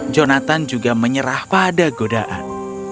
jonathan juga menyerah pada godaan